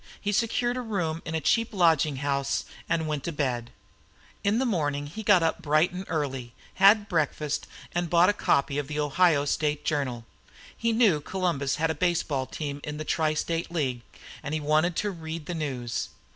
He secured a room in a cheap lodging house and went to bed. In the morning he got up bright and early, had breakfast, and bought a copy of the Ohio State Journal. He knew Columbus had a baseball team in the Tri State League, and he wanted to read the news.